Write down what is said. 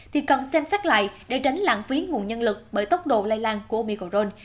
thì cần xem xét lại để tránh lạng phí nguồn nhân lực bởi tốc độ lây lan của omicron